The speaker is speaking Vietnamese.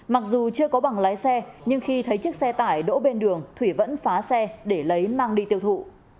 mặc dù chưa có bằng lái xe nhưng khi thấy chiếc xe tải đỗ bên đường thủy vẫn phá xe để lấy mang đi tiêu thụ